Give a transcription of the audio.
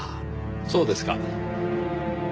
そうですか。